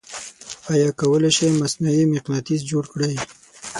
آیا کولی شئ مصنوعې مقناطیس جوړ کړئ؟